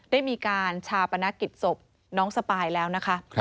ได้มีการชาปนกิจศพน้องสปายแล้วนะคะ